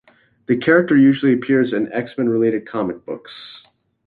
The character usually appears in X-Men-related comic books.